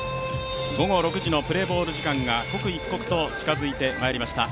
午後６時のプレーボール時間が刻一刻と近づいてまいりました。